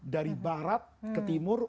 dari barat ke timur